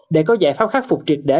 để có giải pháp khắc phục triệt để